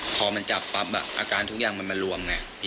พอมันจับปั๊บอาการทุกอย่างมันมารวมไง